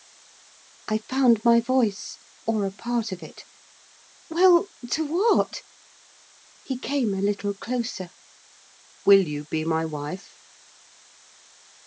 I found my voice, or a part of it. 'Well? to what?' He came a little closer. 'Will you be my wife?